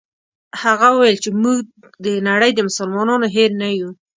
هغه وویل چې موږ د نړۍ د مسلمانانو هېر نه یو.